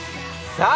さあ